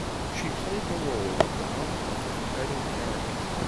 She played the role of the mother of the title character.